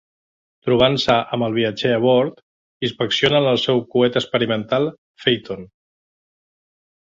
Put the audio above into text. Trobant-se amb el viatger a bord, inspeccionen el seu coet experimental "Phaeton".